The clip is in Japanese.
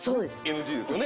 ＮＧですよね。